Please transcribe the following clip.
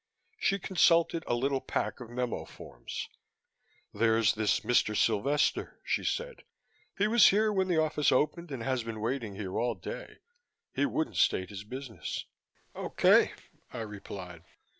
She consulted a little pack of memo forms. "There's this Mr. Sylvester," she said. "He was here when the office opened and has been waiting here all day. He wouldn't state his business." "Okay," I replied.